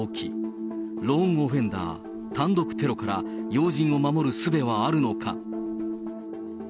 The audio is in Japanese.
アローンオフェンダー、単独テロから要人を守るすべはあるのか。